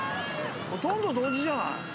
ほとんど同時じゃない。